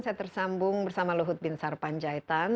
saya tersambung bersama luhut bin sarpanjaitan